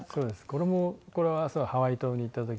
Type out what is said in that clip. これもこれはハワイ島に行った時の。